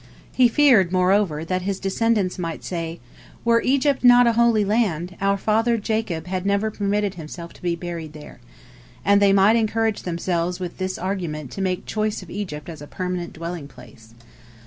He feared, moreover, that his descendants might say, "Were Egypt not a holy land, our father Jacob had never permitted himself to be buried there," and they might encourage themselves with this argument to make choice of Egypt as a permanent dwelling place.